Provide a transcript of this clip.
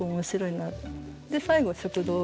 で最後は食堂。